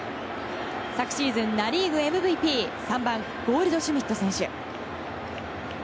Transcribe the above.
昨シーズン、ナ・リーグＭＶＰ３番ゴールドシュミット選手。